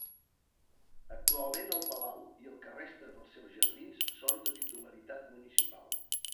Actualment el Palau i el que resta dels seus jardins són de titularitat municipal.